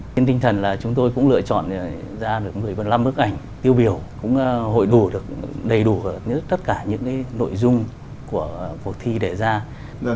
nhân tinh thần là chúng tôi cũng lựa chọn ra được một mươi năm bức ảnh tiêu biểu cũng hội đủ được đầy đủ tất cả những cái nội dung của cuộc thi để ra